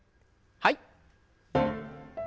はい。